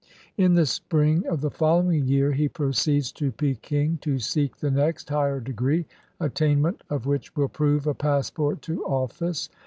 In the spring of the following year he proceeds to Peking to seek the next higher degree, attainment of which will prove a passport to office.